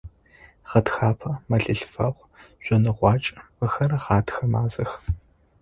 Гъэтхапэ, мэлылъфэгъу, жъоныгъуакӀ – мыхэр гъэтхэ мазэх.